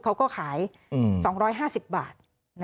เขาก็ขาย๒๕๐บาท